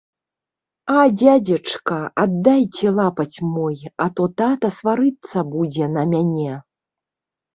А дзядзечка, аддайце лапаць мой, а то тата сварыцца будзе на мяне!